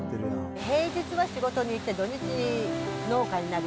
平日は仕事に行って、土日に農家になる。